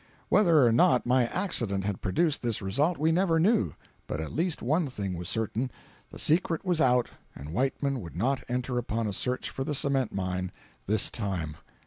Whether or not my accident had produced this result we never knew, but at least one thing was certain—the secret was out and Whiteman would not enter upon a search for the cement mine this time.